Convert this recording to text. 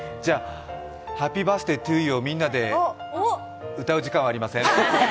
「ハッピーバースデー・トゥー・ユー」をみんなで歌う時間はありません。